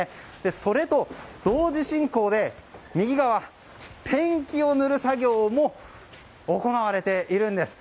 それと同時進行でペンキを塗る作業も行われているんです。